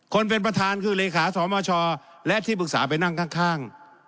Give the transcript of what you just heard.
คนเป็นประธานคือเลขาสมชและที่ปรึกษาไปนั่งข้าง